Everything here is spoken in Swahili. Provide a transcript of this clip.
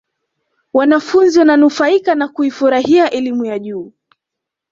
wanafunzi wananufaika na kuifurahia elimu ya juu